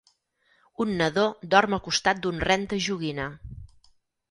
Un nadó dorm al costat d'un ren de joguina.